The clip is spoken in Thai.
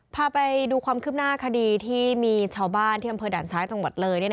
พาไปดูความคืบหน้าคดีที่มีชาวบ้านที่อำเภอด่านซ้ายจังหวัดเลย